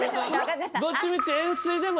どっちみち。